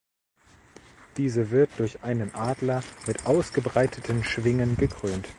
Diese wird durch einen Adler mit ausgebreiteten Schwingen gekrönt.